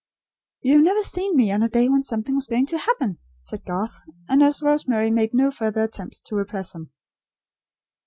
"You have never seen me, on a day when something was going to happen," said Garth; and Nurse Rosemary made no further attempt to repress him.